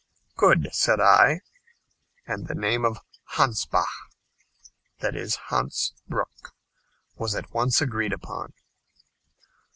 "Good," said I. And the name of "Hansbach" ("Hans Brook") was at once agreed upon.